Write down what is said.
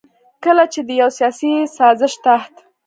کله چې د يو سياسي سازش تحت